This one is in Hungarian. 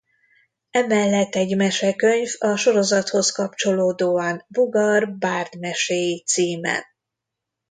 E mellett egy mesekönyv a sorozathoz kapcsolódóan Bogar bárd meséi címen.